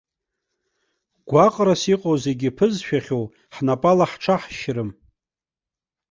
Гәаҟрас иҟоу зегьы ԥызшәахьоу, ҳнапала ҳҽаҳшьрым!